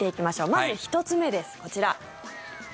まず１つ目です、こちら。